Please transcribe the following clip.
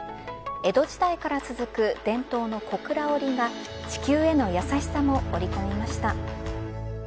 江戸時代から続く伝統の小倉織が地球への優しさも織り込みました。